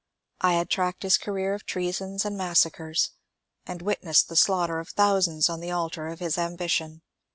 I had tracked his career of treasons and massacres, and witnessed the slaughter of thousands on the altar of his ambition.